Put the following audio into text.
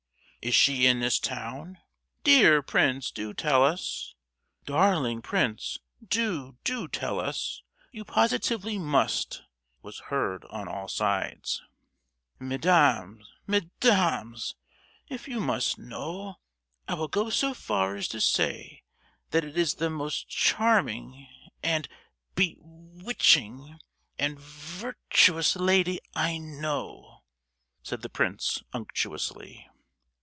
"Is she in this town?" "Dear prince, do tell us." "Darling prince, do, do tell us; you positively must," was heard on all sides. "Mesdames, mes—dames; if you must know, I will go so far as to say that it is the most charming, and be—witching, and vir—tuous lady I know," said the prince, unctuously.